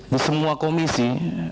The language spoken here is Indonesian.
di semua komisi